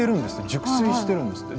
熟睡してるんですって。